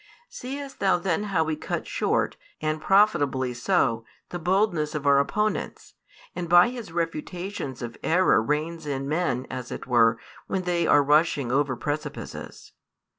Seest thou then how He cuts short, and profitably so, the boldness of our opponents, and by His refutations of error reins in men (as it were) when they are rushing over precipices?